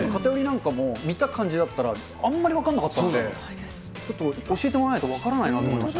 偏りなんかも見た感じだったらあんまり分からなかったんで、ちょっと教えてもらわないと分からないなと思いました。